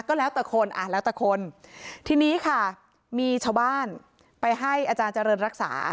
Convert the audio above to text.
ก็แล้วแต่คนอ่ะแล้วแต่คนทีนี้ค่ะมีชาวบ้านไปให้อาจารย์เจริญรักษา